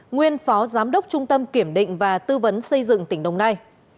nguyên phó giám đốc trung tâm kiểm định và tư vấn xây dựng tỉnh đồng nai